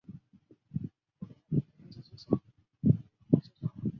但此调查结果遭到质疑。